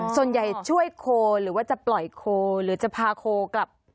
ส่วนใหญ่ช่วยโคหรือว่าจะปล่อยโคหรือจะพาโคกลับ